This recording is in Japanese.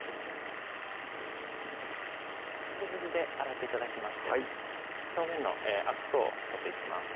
水で洗って頂きましてはい表面のアク等取っていきます